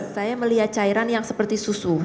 saya melihat cairan yang seperti susu